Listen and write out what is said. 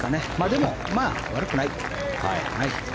でも悪くない。